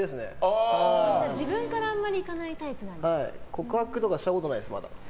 告白とかしたことないです、まだ。